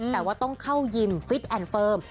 แต่ว่าต้องเข้ายิมฟิตแอนด์เฟิร์ม